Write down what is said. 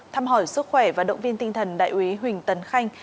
thăm hỏi sức khỏe và động viên tinh thần đại úy huỳnh tấn khanh